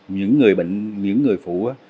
những người bệnh những người phụ á